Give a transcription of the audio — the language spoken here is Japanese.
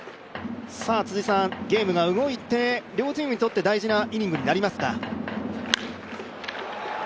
辻さん、ゲームが動いて両チームにとって大事なイニングになりますか。